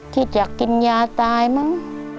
คิดอยากกินยาตายมั้ง